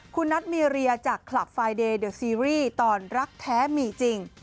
คุณนัทมีเรียจากคลับไฟเดย์เดอร์ซีรีส์ตอนรักแท้มีจริง